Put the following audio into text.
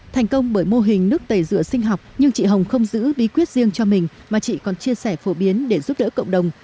thành công bởi mô hình nước tẩy rửa sinh học nhưng chị hồng không giữ bí quyết riêng cho mình mà chị còn chia sẻ phổ biến để giúp đỡ cộng đồng